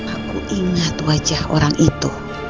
aku ingat wajah orang itu